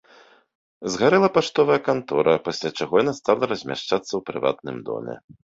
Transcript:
Згарэла паштовая кантора, пасля чаго яна стала размяшчацца ў прыватным доме.